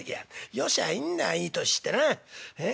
よしゃいいんだいい年してな。え？